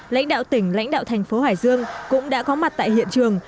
lãnh đạo tỉnh lãnh đạo thành phố hải dương cũng đã có mặt tại hiện trường